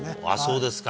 そうですか。